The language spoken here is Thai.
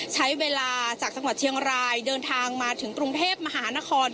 ใช้เวลาจากจังหวัดเชียงรายเดินทางมาถึงกรุงเทพมหานคร